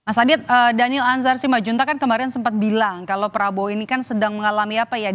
mas adit daniel anzar simajunta kan kemarin sempat bilang kalau prabowo ini kan sedang mengalami apa ya